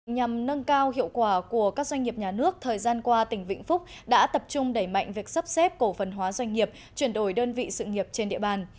nhằm nâng cao hiệu quả của các doanh nghiệp nhà nước thời gian qua tỉnh vĩnh phúc đã tập trung đẩy mạnh việc sắp xếp cổ phần hóa doanh nghiệp chuyển đổi đơn vị sự nghiệp trên địa bàn